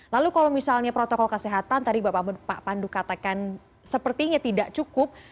lalu kalau misalnya protokol kesehatan tadi pak pandu katakan sepertinya tidak cukup